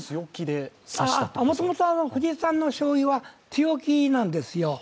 もともと藤井さんの将棋は強気なんですよ。